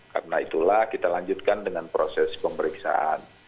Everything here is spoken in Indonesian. karena itulah kita lanjutkan dengan proses pemeriksaan